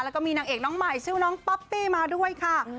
แล้วก็มีนางเอกน้องใหม่ชื่อน้องป๊อปปี้มาด้วยค่ะ